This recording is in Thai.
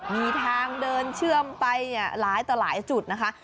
มีทางเดินเชื่อมไปหลายต่อหลายจุดนะคะ